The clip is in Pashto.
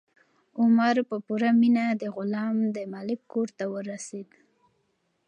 عمر په پوره مینه د غلام د مالک کور ته ورسېد.